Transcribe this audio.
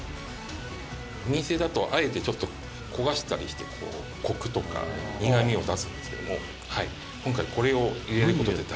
「お店だとあえてちょっと焦がしたりしてコクとか苦みを出すんですけども今回これを入れる事で代用できます」